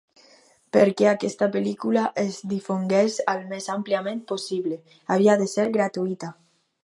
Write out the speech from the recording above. Perquè aquesta pel·lícula es difongués al més àmpliament possible, havia de ser gratuïta.